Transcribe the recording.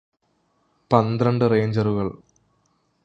പന്ത്രണ്ടു റേഞ്ചറുകൾ